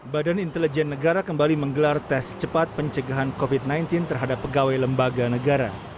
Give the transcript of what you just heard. badan intelijen negara kembali menggelar tes cepat pencegahan covid sembilan belas terhadap pegawai lembaga negara